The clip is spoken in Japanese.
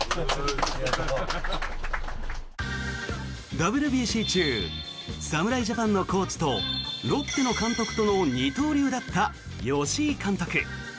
ＷＢＣ中侍ジャパンのコーチとロッテの監督との二刀流だった吉井監督。